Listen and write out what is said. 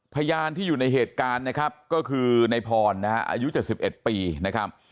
พยานที่อยู่ในเหตุการณ์นะครับก็คือนายพรนะฮะอายุจากสิบเอ็ดปีนะครับ